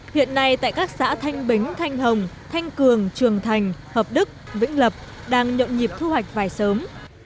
hiện nay tại các xã thanh bính thanh hồng thanh cường trường thành hợp đức vĩnh lập đang nhộn nhịp thu hoạch vải sớm